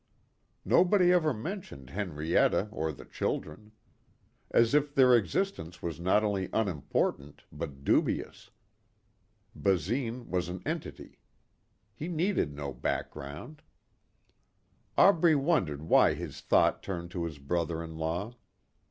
Nobody ever mentioned Henrietta or the children. As if their existence was not only unimportant but dubious. Basine was an entity. He needed no background. Aubrey wondered why his thought turned to his brother in law.